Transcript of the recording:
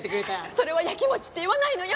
それは焼きもちって言わないのよ。